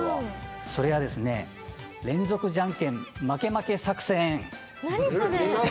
それがですね連続じゃんけん負け負け作戦！